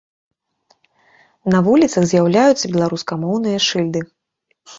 На вуліцах з'яўляюцца беларускамоўныя шыльды.